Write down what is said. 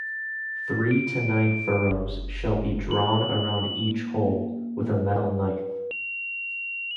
Three to nine furrows shall be drawn around each hole with a metal knife.